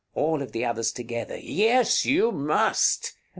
All the others together Yes, you must.